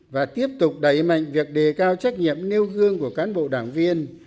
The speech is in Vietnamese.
và tiếp tục đẩy mạnh việc đề cao trách nhiệm nêu gương của cán bộ đảng viên